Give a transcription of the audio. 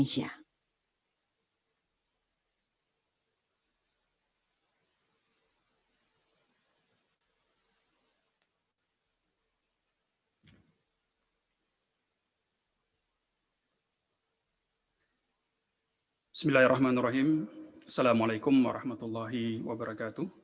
bismillahirrahmanirrahim assalamualaikum warahmatullahi wabarakatuh